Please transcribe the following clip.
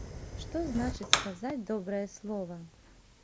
Што значыць сказаць добрае слова!